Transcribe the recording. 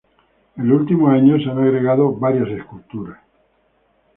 En los últimos años se han agregado varias esculturas.